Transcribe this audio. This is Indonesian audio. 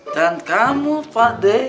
dan kamu pak d